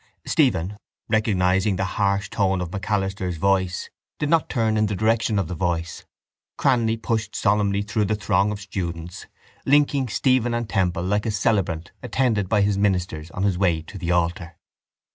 Stephen, recognising the harsh tone of MacAlister's voice, did not turn in the direction of the voice. Cranly pushed solemnly through the throng of students, linking Stephen and Temple like a celebrant attended by his ministers on his way to the altar.